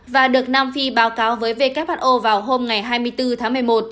và được nam phi báo cáo với who vào hôm ngày hai mươi bốn tháng một mươi một